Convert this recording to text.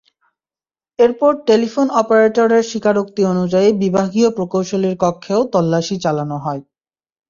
এরপর টেলিফোন অপারেটরের স্বীকারোক্তি অনুযায়ী বিভাগীয় প্রকৌশলীর কক্ষেও তল্লাশি চালানো হয়।